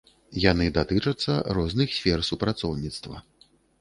Яны датычацца розных сфер супрацоўніцтва.